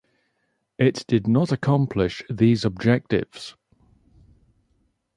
It did not accomplish these objectives.